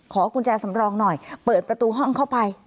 กุญแจสำรองหน่อยเปิดประตูห้องเข้าไป